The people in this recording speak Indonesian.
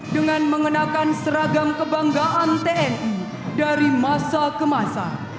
dengan mengenakan seragam kebanggaan tni dari masa ke masa